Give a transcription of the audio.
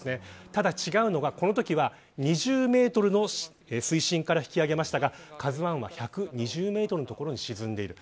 ただ違うのがこのときは２０メートルの水深から引き揚げましたがＫＡＺＵ１は１２０メートルの所に沈んでいる。